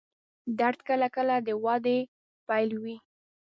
درد کله کله د وده پیل وي.